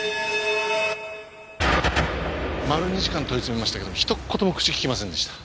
丸２時間問い詰めましたけど一言も口ききませんでした。